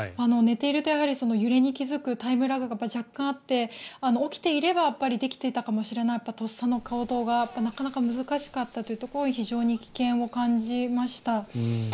寝ていると揺れに気付くタイムラグが若干あって起きていればできていたかもしれないとっさの行動がなかなか難しかったというところに非常に危険を感じました。